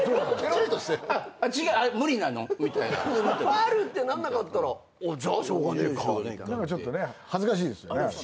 ファウルってなんなかったら「じゃあしょうがねえか」みたいな。ちょっとね恥ずかしいですよね。